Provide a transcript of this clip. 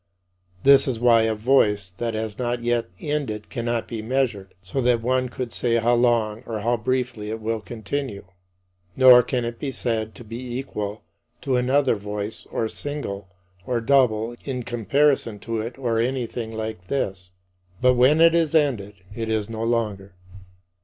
This is why a voice that has not yet ended cannot be measured, so that one could say how long or how briefly it will continue. Nor can it be said to be equal to another voice or single or double in comparison to it or anything like this. But when it is ended, it is no longer.